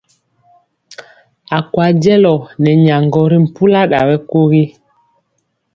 A kwa jɛlɔ nɛ nyaŋgɔ ri mpula ɗa ɓɛkogi.